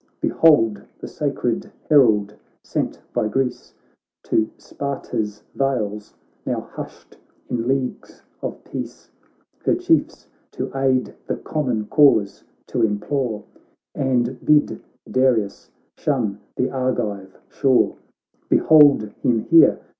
Behold the sacred herald ! sent by Greece To Sparta's vales, now hushed in leagues of peace ; Her Chiefs, to aid the common cause, t' implore, And bid Darius shun the Argive shore ; Behold him here